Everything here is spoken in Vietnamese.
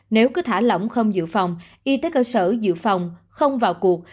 nếu cứ thả lỏng không dự phòng y tế cơ sở dự phòng không vào cuộc